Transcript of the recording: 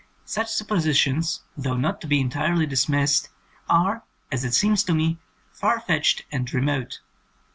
Such suppositions, though not to be entirely dismissed, are, as it seems to me, far fetched and remote.